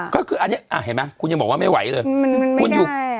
ก็คืออันเนี้ยอ่ะเห็นไหมคุณยังบอกว่าไม่ไหวเลยมันมันไม่ได้อ่ะ